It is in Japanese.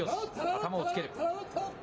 頭をつける。